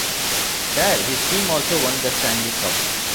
There, his team also won the Stanley Cup.